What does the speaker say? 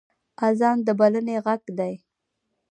اذان د بلنې غږ دی